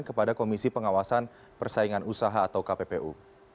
kepada komisi pengawasan persaingan usaha atau kppu